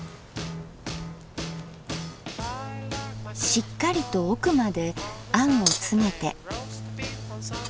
しっかりと奥まであんを詰めて。